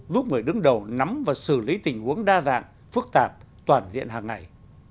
giúp người đứng đầu nắm và xử lý tình huống đa dạng phức tạp toàn diện hàng ngày